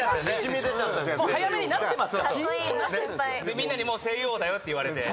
でみんなにもう声優王だよって言われて。